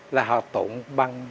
là họ tụng bằng